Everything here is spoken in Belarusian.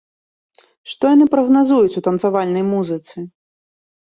Што яны прагназуюць у танцавальнай музыцы?